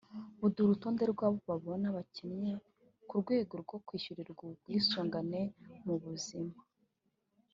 buduha urutonde rw’abo babona bakennye ku rwego rwo kwishyurirwa ubwisungane mu buzima (Mituelle de Santé)